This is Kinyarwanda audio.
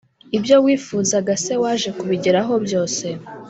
ibyo wifuzaga se waje kubigeraho byose?